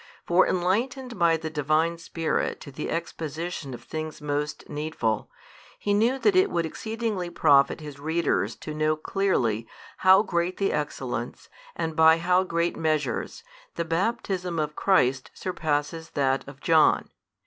For enlightened by the Divine Spirit to the exposition of things most needful, he knew that it would exceedingly profit his readers to know clearly, how great the excellence, and by how great measures, the baptism of Christ surpasses that of John.